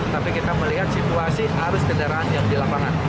tapi kita melihat situasi arus kendaraan yang di lapangan